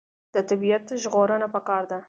د طبیعت ژغورنه پکار ده.